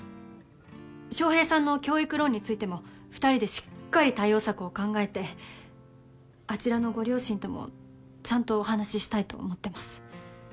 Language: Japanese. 翔平さんの教育ローンについても２人でしっかり対応策を考えてあちらのご両親ともちゃんとお話したいと思ってます。